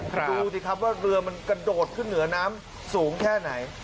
ดูสิครับว่าเรือมันกระโดดขึ้นเหนือน้ำสูงแค่ไหน